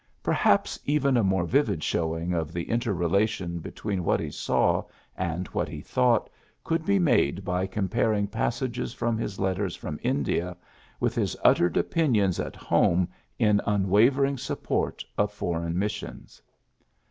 Perhaps even a more vivid showing of the inter relation be tween what he saw and what he thought could be made by comparing passages from his letters from India with his ut tered opinions at home in unwavering support of foreign missions.